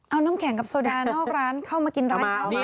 เอาน้ำแข็งกับโซดานอกร้านเข้ามากินร้านเขา